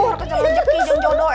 rekan rejeki yang jodoh